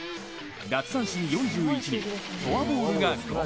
奪三振４１にフォアボールが５。